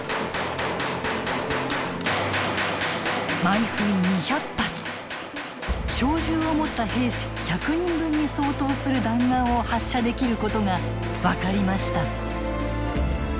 毎分２００発小銃を持った兵士１００人分に相当する弾丸を発射できることが分かりました。